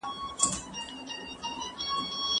د ستم ګرو مینه اوکه، نو سندان به شی